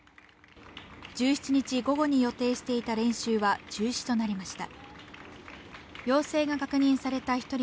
１７日午後に予定していた練習は中止となりました。